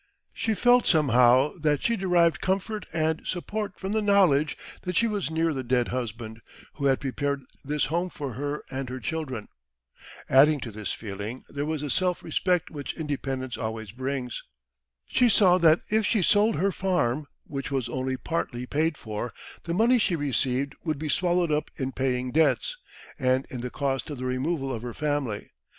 She felt somehow that she derived comfort and support from the knowledge that she was near the dead husband, who had prepared this home for her and her children. Added to this feeling, there was the self respect which independence always brings. She saw that if she sold her farm, which was only partly paid for, the money she received would be swallowed up in paying debts, and in the cost of the removal of her family.